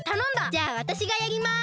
じゃあわたしがやります！